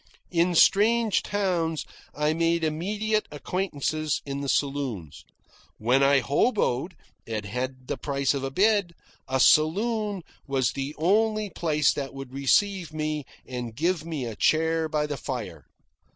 In strange towns I made immediate acquaintances in the saloons. When I hoboed, and hadn't the price of a bed, a saloon was the only place that would receive me and give me a chair by the fire.